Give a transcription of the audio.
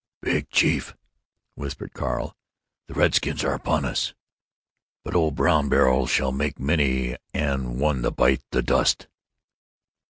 "Big chief," whispered Carl, "the redskins are upon us! But old Brown Barrel shall make many an one bite the dust!"